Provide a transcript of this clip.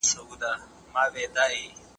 ولسمشر ډیپلوماټیکي اړیکي نه پري کوي.